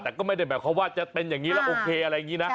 แต่ก็ไม่ได้หมายความว่าจะเป็นอย่างนี้แล้วโอเคอะไรอย่างนี้นะ